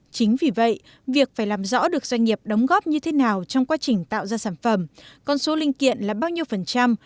chính vì vậy việc phải làm rõ được doanh nghiệp đóng góp như thế nào trong quá trình tạo ra sản phẩm con số linh kiện là bao nhiêu phần trăm